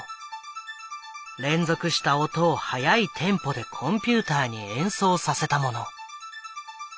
連続した音を速いテンポでコンピューターに演奏させたもの。